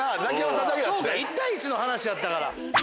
１対１の話やったから。